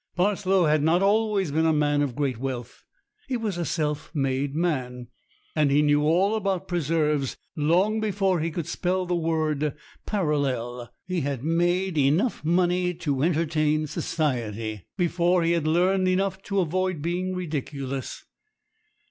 Parslow had not always been a man of great wealth. He was a self made man, and he knew all about preserves long before he could spell the word parallel. He had made enough money to entertain society before he had learned enough to avoid being ridiculous.